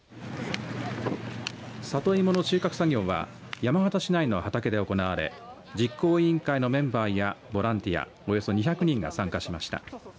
里芋の収穫作業は山形市内の畑で行われ実行委員会のメンバーやボランティアおよそ２００人が参加しました。